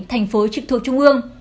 thành phố trực thuộc trung ương